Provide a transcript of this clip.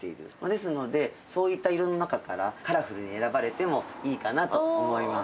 ですのでそういった色の中からカラフルに選ばれてもいいかなと思います。